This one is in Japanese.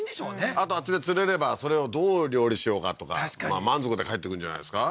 あとあっちで釣れればそれをどう料理しようかとか確かに満足で帰ってくるんじゃないですか？